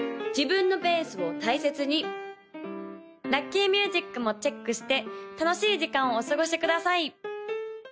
・ラッキーミュージックもチェックして楽しい時間をお過ごしください